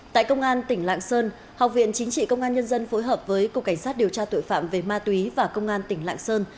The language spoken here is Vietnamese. tại công an tỉnh lạng sơn học viện chính trị công an nhân dân phối hợp với cục cảnh sát điều tra tội phạm về ma túy và công an tỉnh lạng sơn